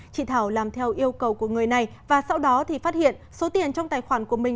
chị thảo làm theo yêu cầu của người này và sau đó thì phát hiện số tiền trong tài khoản của mình